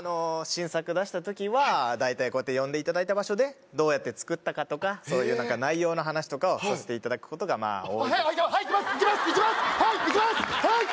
新作出した時は大体こうやって呼んでいただいた場所でどうやって作ったかとかそういう何か内容の話とかをさせていただくことがあっはい行きますはい行きますはい！